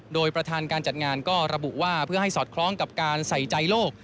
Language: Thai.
โดยประธานการจัดงานก็ระบุว่าเพื่อให้สอดคล้องกับการใส่ใจโลก